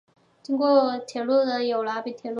经过的铁路有拉滨铁路。